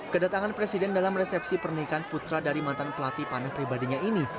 kedatangan presiden dalam resepsi pernikahan putra dari mantan pelatih panah pribadinya ini